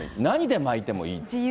何で巻いてもいい。